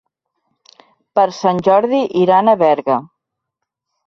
Per Sant Jordi iran a Berga.